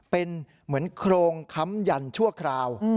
เป็นเหมือนโครงค้ำยันชั่วคราว